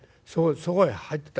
そこへ入ってった」。